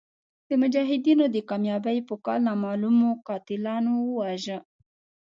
د مجاهدینو د کامیابۍ په کال نامعلومو قاتلانو وواژه.